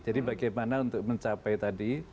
jadi bagaimana untuk mencapai tadi